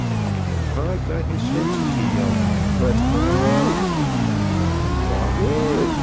When Pod got his senses he yelled, "Let's pull her out!" "What with?